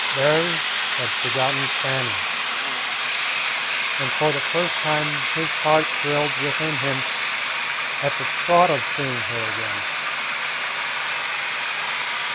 Berry had forgotten Fannie, and for the first time his heart thrilled within him at the thought of seeing her again.